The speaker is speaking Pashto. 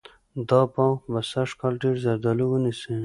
دا باغ به سږکال ډېر زردالو ونیسي.